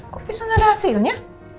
kok bisa nggak ada hasilnya